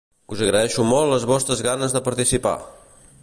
Us agraeixo molt les vostres ganes de participar!